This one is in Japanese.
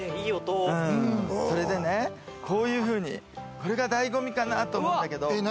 それでね、こういうふうに、これが醍醐味かなと思うんだけれども。